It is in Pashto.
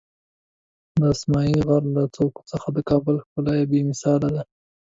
د اسمایي غر له څوکو څخه د کابل ښکلا بېمثاله ده.